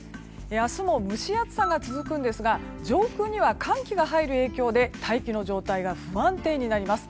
明日も蒸し暑さが続くんですが上空には寒気が入ることで大気の状態が不安定になります。